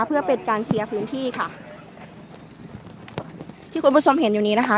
เพื่อเป็นการเคลียร์พื้นที่ค่ะที่คุณผู้ชมเห็นอยู่นี้นะคะ